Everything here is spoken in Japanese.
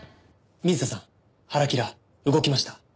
水田さんハラキラ動きました。